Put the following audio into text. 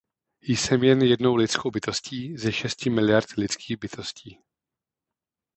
Jsem jen jednou lidskou bytostí ze šesti miliard lidských bytostí.